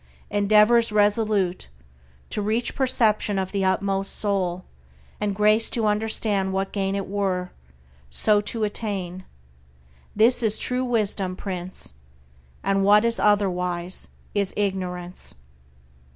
... Endeavors resolute To reach perception of the utmost soul, And grace to understand what gain it were So to attain this is true wisdom, Prince! And what is otherwise is ignorance!"